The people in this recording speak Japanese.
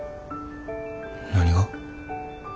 何が？